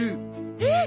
えっ！？